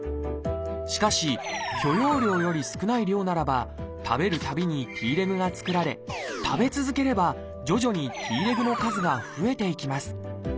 しかし許容量より少ない量ならば食べるたびにＴレグが作られ食べ続ければ徐々にＴレグの数が増えていきます。